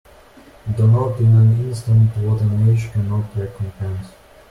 Do not in an instant what an age cannot recompense.